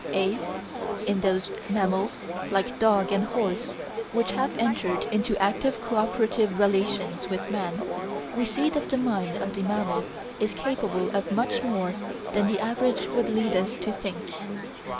(a) In those mammals, like dog and horse, which have entered into active cooperative relations with man, we see that the mind of the mammal is capable of much more than the average would lead us to think.